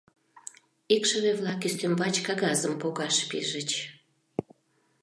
Икшыве-влак ӱстембач кагазым погаш пижыч.